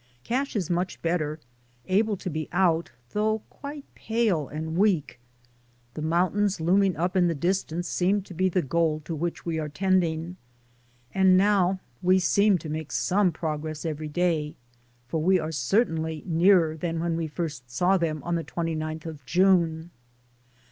Cash is much better, able to be out, though quite pale and weak. The mountains loom ing up in the distance seem to be the goal to which we are tending, and now we seem to make some progress every day for we are certainly nearer than when we first saw them on the twenty ninth of June.